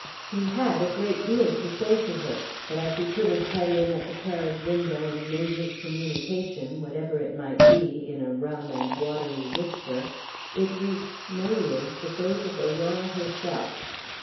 He had a great deal to say to her; but as he put his head in at the carriage window and made his communication, whatever it might be, in a rum and watery whisper, it reached no ears but those of Aurora herself.